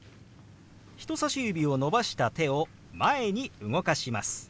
人さし指を伸ばした手を前に動かします。